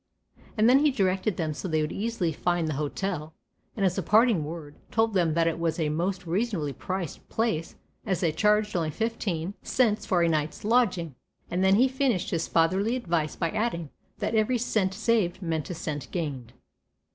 And then he directed them so they could easily find the hotel, and as a parting word, told them that it was a most reasonably priced place, as they charged only fifteen cents for a night's lodging, and then finished his fatherly advice by adding, that every cent saved meant a cent gained.